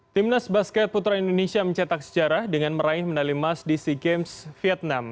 timnas basket putra indonesia mencetak sejarah dengan meraih medali mas dc games vietnam